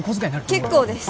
結構です